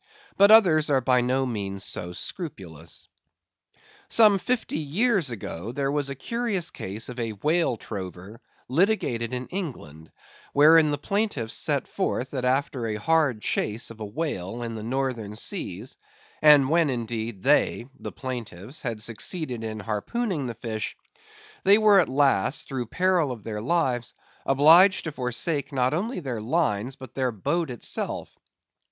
But others are by no means so scrupulous. Some fifty years ago there was a curious case of whale trover litigated in England, wherein the plaintiffs set forth that after a hard chase of a whale in the Northern seas; and when indeed they (the plaintiffs) had succeeded in harpooning the fish; they were at last, through peril of their lives, obliged to forsake not only their lines, but their boat itself.